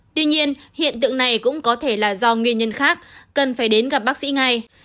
tuy nhiên hiện tượng này cũng có thể là do nguyên nhân khác cần phải đến gặp bác sĩ ngay